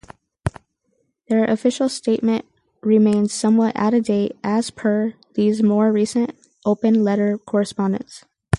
Their official statement remains somewhat out-of-date as per these more recent open letter correspondences.